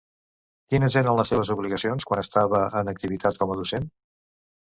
Quines eren les seves obligacions, quan estava en activitat com a docent?